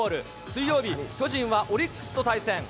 水曜日、巨人はオリックスと対戦。